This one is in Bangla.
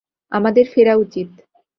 আমাদের ফেরা উচিত।